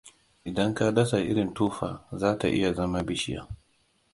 Idan ka dasa irin tufa za ta iya zama bishiya.